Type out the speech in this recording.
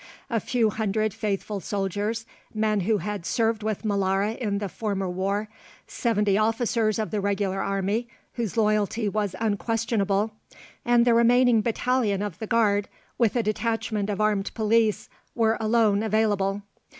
A few hundred faithful soldiers (men who had served with Molara in the former war), seventy officers of the regular army, whose loyalty was unquestionable, and the remaining battalion of the Guard with a detachment of armed police, were alone available.